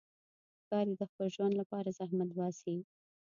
ښکاري د خپل ژوند لپاره زحمت باسي.